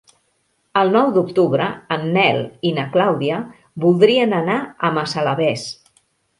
El nou d'octubre en Nel i na Clàudia voldrien anar a Massalavés.